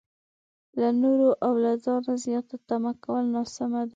له نورو او له ځانه زياته تمه کول ناسمه ده.